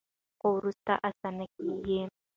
خو وروسته اسانه کیږي.